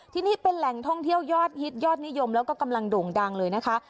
ที่นี่เป็นแหล่งท่องเที่ยวยอดฮิตยอดนิยมแล้วก็กำลังโด่งดังเลยนะคะ